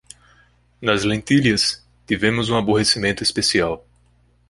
Nas lentilhas, tivemos um aborrecimento especial.